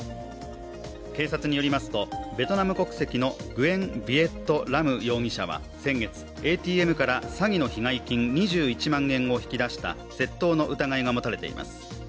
警察によりますと、ベトナム国籍のグェン・ヴィエット・ラム容疑者はＡＴＭから詐欺の被害金２１万円を引き出した窃盗の疑いが持たれています。